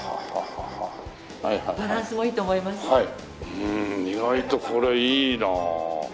うん意外とこれいいなあ。